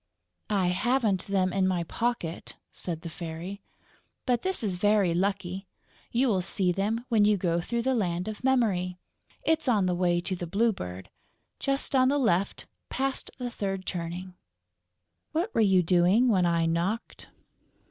"I haven't them in my pocket," said the Fairy. "But this is very lucky; you will see them when you go through the Land of Memory. It's on the way to the Blue Bird, just on the left, past the third turning.... What were you doing when I knocked?"